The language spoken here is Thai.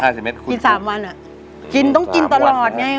ห้าสิบเม็ดคุณคุณสามวันอ่ะกินต้องกินตลอดไง